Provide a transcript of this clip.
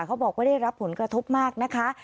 เขาบอกว่าได้รับผลกระทบมากนะคะ